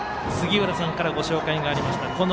杉浦さんからご紹介がありました